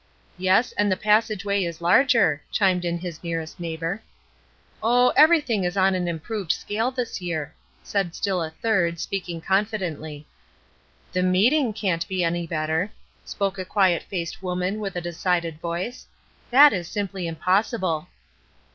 "Yes, and the passage way is larger," chimed in his nearest neighbor. "Oh, everything is on an improved scale this year," said still a third, speaking confidently. "The meeting can't be any better," spoke a quiet faced woman, with a decided voice, "that is simply impossible."